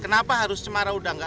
kenapa harus cemara udang